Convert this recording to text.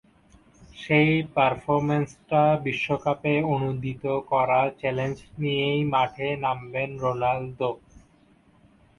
সেই পারফরম্যান্সটা বিশ্বকাপে অনূদিত করা চ্যালেঞ্জ নিয়েই মাঠে নামবেন রোনালদো।